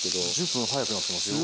１０分早くなってますね。